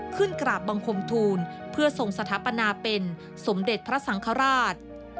กราบบังคมทูลเพื่อทรงสถาปนาเป็นสมเด็จพระสังฆราช